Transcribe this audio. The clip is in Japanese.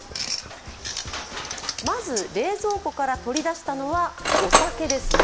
まず冷蔵庫から取り出したのはお酒ですね。